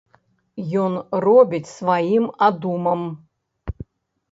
Ён робіць сваім адумам.